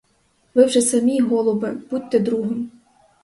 Ви вже самі, голубе, будьте другом.